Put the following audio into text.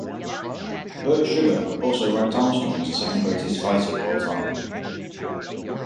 Bert Sugar also ranked Armstrong as the second-greatest fighter of all time.